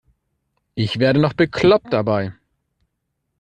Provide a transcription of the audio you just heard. Ich werde noch bekloppt dabei.